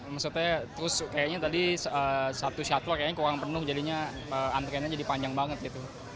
maksudnya terus kayaknya tadi satu shuttle kayaknya kurang penuh jadinya antriannya jadi panjang banget gitu